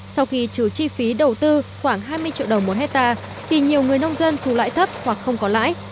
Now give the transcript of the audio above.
sau khi trừ chi phí đầu tư khoảng hai mươi triệu đồng một hectare thì nhiều người nông dân thu lãi thấp hoặc không có lãi